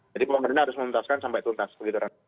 jadi pemerintah harus menuntaskan sampai tuntaskan